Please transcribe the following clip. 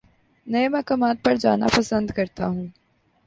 نئے مقامات پر جانا پسند کرتا ہوں